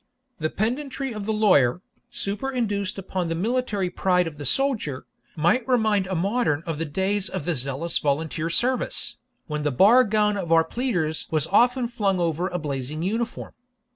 The pedantry of the lawyer, superinduced upon the military pride of the soldier, might remind a modern of the days of the zealous volunteer service, when the bar gown of our pleaders was often flung over a blazing uniform.